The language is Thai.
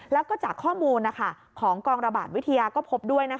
แล้วก็จากข้อมูลของกองระบาดวิทยาก็พบด้วย